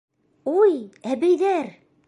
Уй, әбейҙәр!